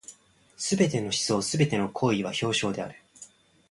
凡すべての思想凡ての行為は表象である。